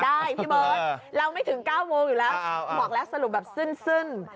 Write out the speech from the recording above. พี่เบิร์ตเราไม่ถึง๙โมงอยู่แล้วบอกแล้วสรุปแบบสิ้น